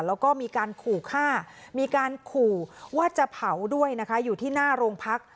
แล้วก็มีการขู่ฆ่ามีการขู่ว่าจะเผาด้วยนะคะอยู่ที่หน้าโรงพัก